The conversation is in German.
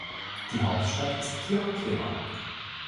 Die Hauptstadt ist Kirakira.